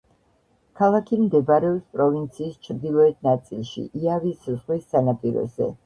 ქალაქი მდებარეობს პროვინციის ჩრდილოეთ ნაწილში, იავის ზღვის სანაპიროზე.